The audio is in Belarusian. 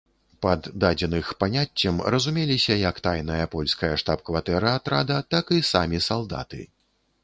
Пад дадзеных паняццем разумеліся як тайная польская штаб-кватэра атрада, так і самі салдаты.